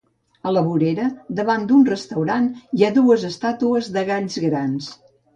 A la vorera, davant d'un restaurant, hi ha dues estàtues de galls grans.